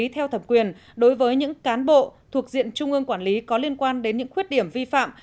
theo thẩm quyền đối với những cán bộ thuộc diện trung ương quản lý có liên quan đến những khuyết điểm vi phạm